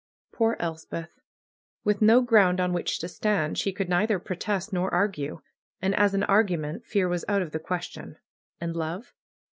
Poor Elspeth! With no ground on which to stand, she could neither protest nor argue. And, as an argu ment, fear was out of the question. And love?